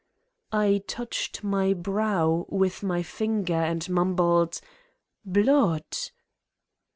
I touched my brow with my finger and mumbled : "Blood.